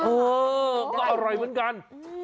เออก็อร่อยเหมือนกัน